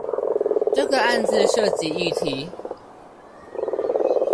這個案子涉及議題